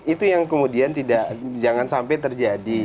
itu yang kemudian tidak jangan sampai terjadi